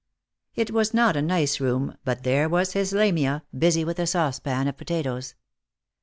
It was not a nice room, but there was his Lamia, busy with a saucepan of potatoes.